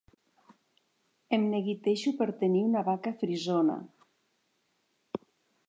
Em neguitejo per tenir una vaca frisona.